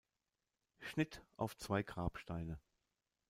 Schnitt auf zwei Grabsteine.